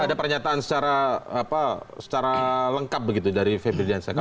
ada pernyataan secara apa secara lengkap begitu dari febri dan saya